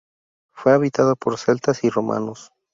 Fue habitada por celtas y romanos.